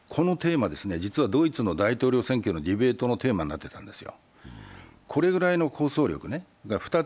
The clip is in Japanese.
実はドイツの大統領選挙のディベートのテーマになっていたんですよ。